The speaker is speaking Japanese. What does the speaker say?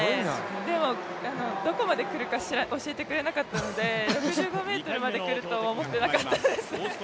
でもどこまでくるか教えてくれなかったので、６５ｍまで来ると思ってなかったです